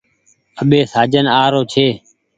اٻي سآجن آ رو ڇي۔